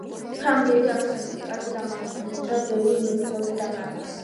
ფრანგები აქ სასტიკად დამარცხდნენ და ბევრი მებრძოლი დაკარგეს.